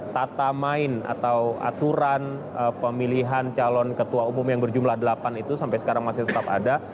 tata main atau aturan pemilihan calon ketua umum yang berjumlah delapan itu sampai sekarang masih tetap ada